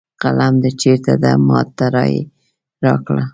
قلم د چېرته ده ما ته یې راکړه